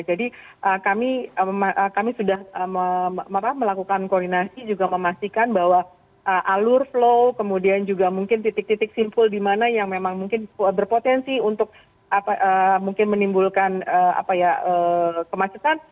jadi kami sudah melakukan koordinasi juga memastikan bahwa alur flow kemudian juga mungkin titik titik simpul di mana yang memang mungkin berpotensi untuk mungkin menimbulkan kemacetan